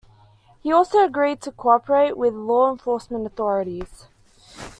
He also agreed to cooperate with law enforcement authorities.